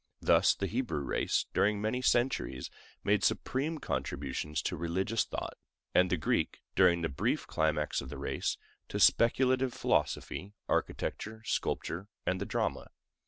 Thus, the Hebrew race, during many centuries, made supreme contributions to religious thought; and the Greek, during the brief climax of the race, to speculative philosophy, architecture, sculpture, and the drama.